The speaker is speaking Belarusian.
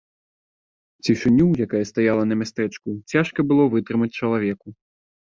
Цішыню, якая стаяла на мястэчку, цяжка было вытрымаць чалавеку.